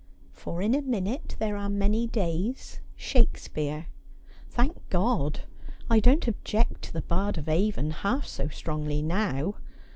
"■ For in a minute there are many days'' — Shakespeare.' ' Thank God ! I don't object to the bard of Avon half so strongly now.